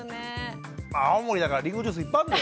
青森だからリンゴジュースいっぱいあんのよ。